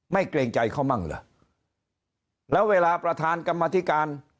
เกรงใจเขามั่งเหรอแล้วเวลาประธานกรรมธิการ